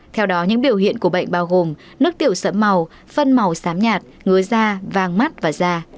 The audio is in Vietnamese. theo đó những biểu hiện của bệnh bao gồm nước tiểu sẫm màu phân màu xám nhạt ngứa da vàng mắt và da